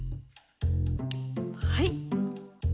はい！